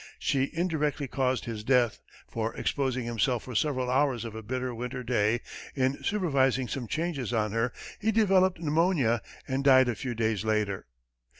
She indirectly caused his death, for, exposing himself for several hours of a bitter winter day, in supervising some changes on her, he developed pneumonia and died a few days later.